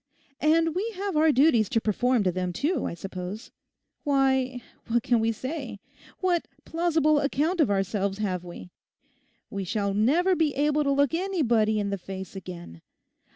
And we have our duties to perform to them too, I suppose. Why, what can we say? What plausible account of ourselves have we? We shall never be able to look anybody in the face again.